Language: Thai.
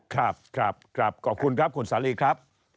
ครับครับขอบคุณครับคุณสาลีครับ